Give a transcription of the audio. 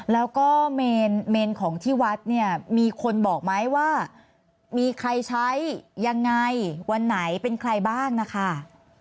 แล้วก็เมนของที่วัดเนี่ยมีคนบอกไหมว่ามีใครใช้ยังไงวันไหนเป็นใครบ้างนะคะ